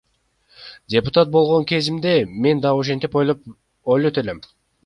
Депутат болгон кезимде мен да ошентип ойлойт элем.